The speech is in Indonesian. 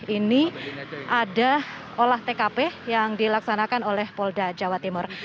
ini ada olah tkp yang dilaksanakan oleh polda jawa timur